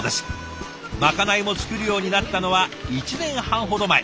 まかないも作るようになったのは１年半ほど前。